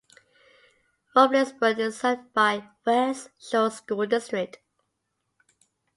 Wormleysburg is served by West Shore School District.